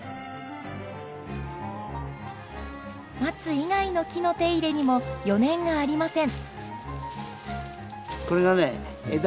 松以外の木の手入れにも余念がありません。